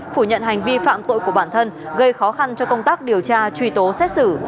phủ nhận hành vi phạm tội của bản thân gây khó khăn cho công tác điều tra truy tố xét xử